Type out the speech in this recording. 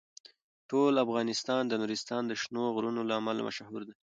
ټول افغانستان د نورستان د شنو غرونو له امله مشهور دی.